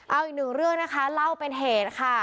เอาอีกหนึ่งเรื่องนะคะเล่าเป็นเหตุค่ะ